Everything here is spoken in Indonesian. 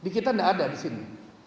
di kita tidak ada di sini